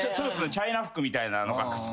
チャイナ服みたいなのが好きで。